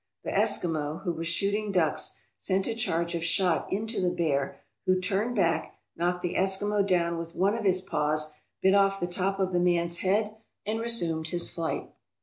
The Eskimo, who was shooting ducks, sent a charge of shot into the bear, who turned back, knocked the Eskimo down with one of his paws, bit off the top of the man's head, and resumed his flight.